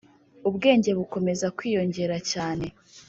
Ubwenge bukomeza kwiyongera cyane